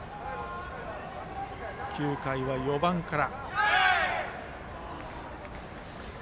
９回は４番から。